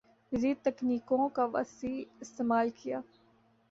جدید تکنیکوں کا وسیع استعمال کِیا